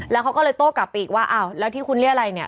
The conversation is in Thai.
แล้วเขาก็เลยโต้กลับไปอีกว่าอ้าวแล้วที่คุณเรียกอะไรเนี่ย